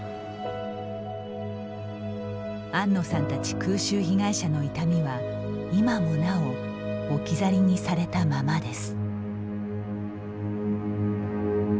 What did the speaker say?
安野さんたち空襲被害者の痛みは今もなお置き去りにされたままです。